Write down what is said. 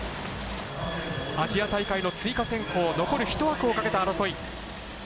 アジア大会の追加選考残り１枠をかけた争い。